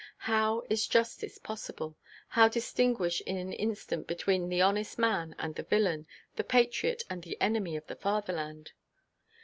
How is justice possible? How distinguish in an instant between the honest man and the villain, the patriot and the enemy of the fatherland...?